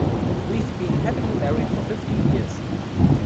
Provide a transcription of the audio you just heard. We've been happily married for fifty years.